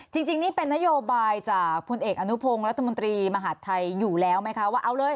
คือเป็นนัยโยบายชัดเจนไหมคะ